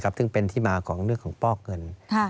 ซึ่งเป็นที่มาของเรื่องของฟอกเงิน